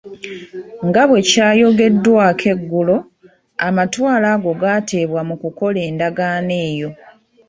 Nga bwe kyayogeddwako engulu, amatwale ago gaateebwa mu kukola Endagaano eyo.